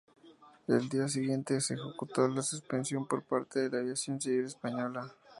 El día siguiente se ejecutó la suspensión por parte de Aviación Civil Española.